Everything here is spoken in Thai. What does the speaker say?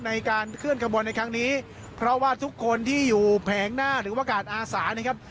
ในการเคลื่อนขบวนในครั้งนี้เพราะว่าทุกคนที่อยู่แผงหน้าหรือว่ากาดอาสานะครับ